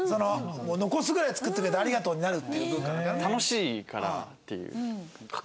「残すぐらい作ってくれてありがとう」になるっていう文化だからね。